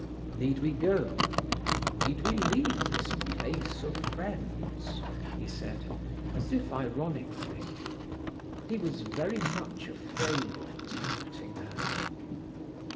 "Need we go—need we leave this place of friends?" he said, as if ironically. He was very much afraid of tempting her.